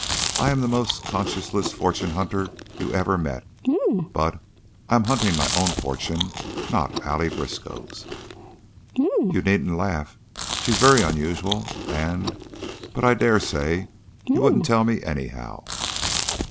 "I am the most conscienceless fortune hunter you ever met, but I am hunting my own fortune, not Allie Briskow's." "You needn't laugh. She's very unusual and But I dare say you wouldn't tell me, anyhow."